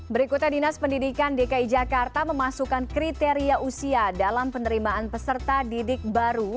berikutnya dinas pendidikan dki jakarta memasukkan kriteria usia dalam penerimaan peserta didik baru